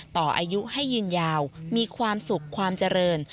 ต่ออายุให้ยืนยาวมีความสุขความเจริญ